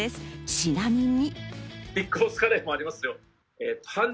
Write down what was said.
ちなみに。